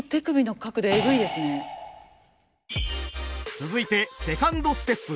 続いてセカンドステップ。